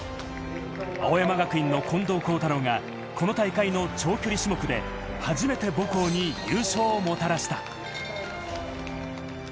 青山学院の近藤幸太郎がこの大会の長距離種目で初めて母校に優勝をもたらした。